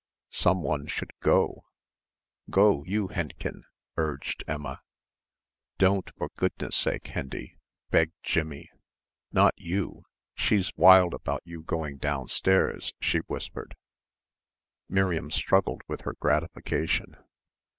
"Som one should go, go you, Henchen," urged Emma. "Don't, for goodness' sake, Hendy," begged Jimmie, "not you, she's wild about you going downstairs," she whispered. Miriam struggled with her gratification.